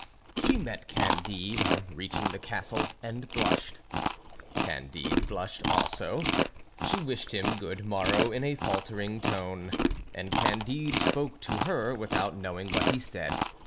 She met Candide on reaching the castle and blushed; Candide blushed also; she wished him good morrow in a faltering tone, and Candide spoke to her without knowing what he said.